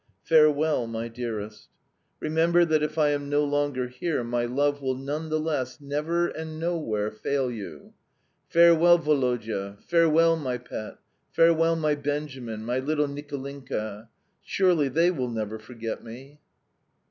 Farewell, my dearest! Remember that, if I am no longer here, my love will none the less NEVER AND NOWHERE fail you. Farewell, Woloda farewell, my pet! Farewell, my Benjamin, my little Nicolinka! Surely they will never forget me?"